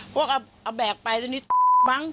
พวกเอาแบกไปตอนนี้มั้ง